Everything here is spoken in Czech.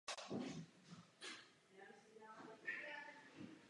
V Latin Music Billboard se píseň umístila na prvním místě.